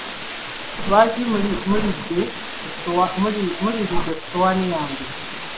Lwaki muliiridde ku ssowaani yange?